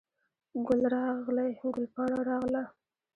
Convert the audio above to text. ګل راغلی، ګل پاڼه راغله